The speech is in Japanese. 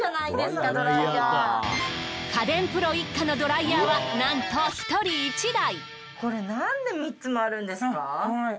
家電プロ一家のドライヤーはなんと１人１台。